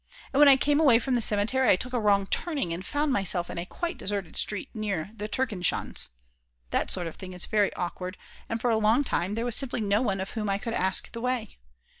And when I came away from the cemetery I took a wrong turning and found myself in a quite deserted street near the Turkenschanze. That sort of thing is very awkward, and for a long time there was simply no one of whom I could ask the way.